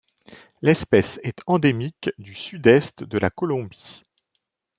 L'espèce est endémique du sud-est de la Colombie.